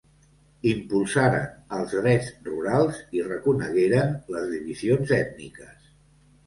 Impulsaren els drets rurals i reconegueren les divisions ètniques.